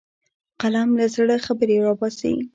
قلم له زړه خبرې راوباسي